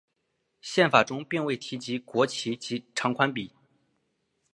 宪法中并未提及国旗长宽比。